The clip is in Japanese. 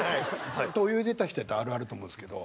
ずっと泳いでた人やったらあるあると思うんですけど。